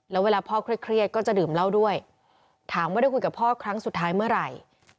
แล้วเวลาพ่อเครียดก็จะดื่มเหล้าด้วยถามว่าได้คุยกับพ่อครั้งสุดท้ายเมื่อไหร่